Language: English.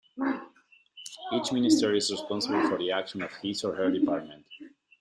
Each minister is responsible for the actions of his or her department.